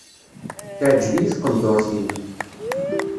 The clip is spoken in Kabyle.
Teɛǧeb-iyi tqendurt-im.